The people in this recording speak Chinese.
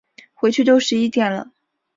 回去都十一点了